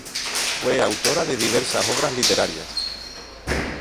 Fue autora de diversas obras literarias.